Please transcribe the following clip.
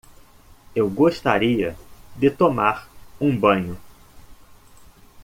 Eu gostaria de tomar um banho.